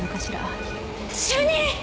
主任！